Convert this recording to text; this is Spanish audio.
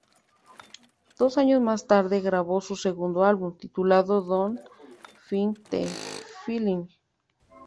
Dos años más tarde, grabó su segundo álbum, titulado "Don't Fight The Feeling".